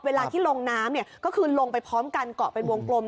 เวลาที่ลงน้ำเนี่ยก็คือลงไปพร้อมกันเกาะเป็นวงกลม